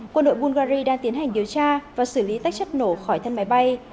quân đội bulgari đang tiến hành điều tra và xử lý tách chất nổ khỏi thân máy bay